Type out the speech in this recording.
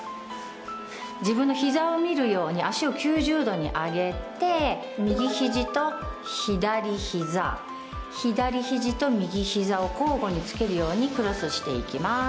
自分の膝を見るように脚を９０度に上げて右肘と左膝左肘と右膝を交互に付けるようにクロスしていきます。